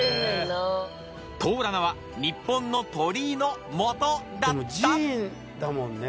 トーラナは日本の鳥居のモトだった？